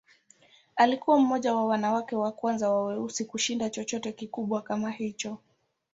Alikuwa mmoja wa wanawake wa kwanza wa weusi kushinda chochote kikubwa kama hicho.